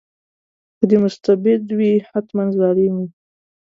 که دی مستبد وي حتماً ظالم وي.